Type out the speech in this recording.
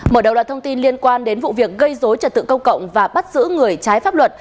mở đầu là thông tin liên quan đến vụ việc gây dối trật tự công cộng và bắt giữ người trái pháp luật